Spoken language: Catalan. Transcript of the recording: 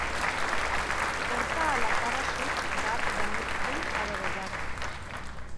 Porta a la cara sud, d'arc de mig punt adovellada.